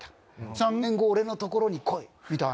「３年後俺のところに来い」みたいな。